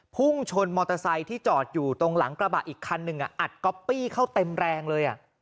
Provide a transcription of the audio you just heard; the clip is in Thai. พุ่งชนมอเตอร์ไซค์ที่จอดอยู่ตรงหลังกระบะอีกคันหนึ่งอัดก๊อปปี้เข้าเต็มแรงเลย